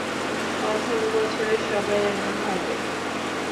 প্রথম বছরে সবাই এমন ভাবে।